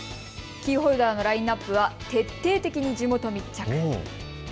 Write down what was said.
キーホルダーのラインナップは徹底的に地元密着。